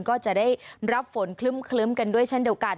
ก็จะได้รับฝนคลึ้มกันด้วยเช่นเดียวกัน